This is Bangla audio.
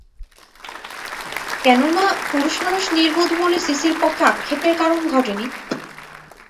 কেননা, পুরুষমানুষ নির্বোধ বলে সিসির পক্ষে আক্ষেপের কারণ ঘটে নি।